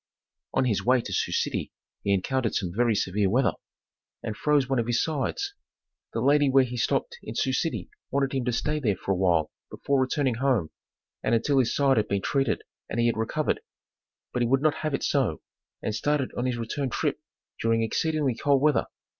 On his way to Sioux City he encountered some very severe weather, and froze one of his sides. The lady where he stopped in Sioux City wanted him to stay there for a while before returning home, and until his side had been treated and he had recovered, but he would not have it so, and started on his return trip during exceedingly cold weather.